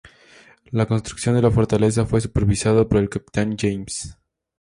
La construcción de la fortaleza fue supervisado por el capitán James St.